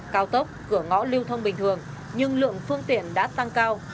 cao tốc cửa ngõ lưu thông bình thường nhưng lượng phương tiện đã tăng cao